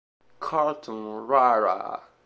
Carlton Rara